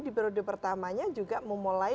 di periode pertamanya juga memulai